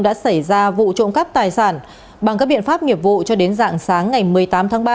đã xảy ra vụ trộm cắp tài sản bằng các biện pháp nghiệp vụ cho đến dạng sáng ngày một mươi tám tháng ba